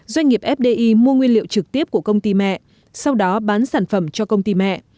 doanh nghiệp fdi mua nguyên liệu trực tiếp của công ty mẹ sau đó bán sản phẩm cho công ty mẹ